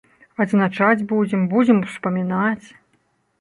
Адзначаць будзем, будзем успамінаць.